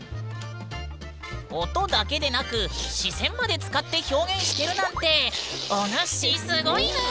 音だけでなく視線まで使って表現してるなんておぬっしすごいぬん！